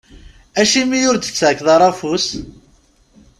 Acimi ur d-tettakeḍ ara afus?